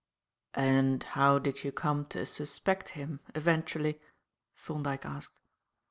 "And how did you come to suspect him eventually?" Thorndyke asked.